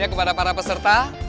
ya kepada para peserta